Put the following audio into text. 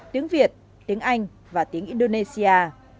tiếng việt tiếng anh và tiếng indonesia